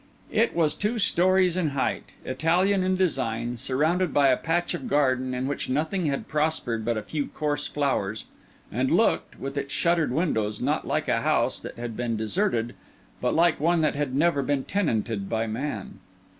It was two storeys in height, Italian in design, surrounded by a patch of garden in which nothing had prospered but a few coarse flowers; and looked, with its shuttered windows, not like a house that had been deserted, but like one that had never been tenanted by man.